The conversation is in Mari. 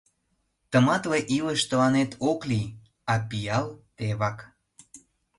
Тыматле илыш тыланет ок лий, а пиал — тевак.